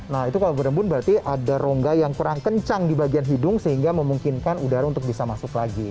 nah itu kalau berembun berarti ada rongga yang kurang kencang di bagian hidung sehingga memungkinkan udara untuk bisa masuk lagi